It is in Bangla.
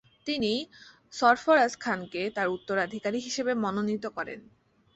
তিনি সরফরাজ খানকে তার উত্তারীকারী হিসেবে মনোনীত করেন।